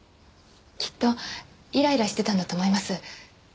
きっとイライラしてたんだと思います。